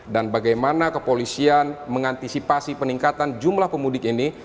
dan bagaimana kepolisian mengantisipasi peningkatan jumlah pemudik ini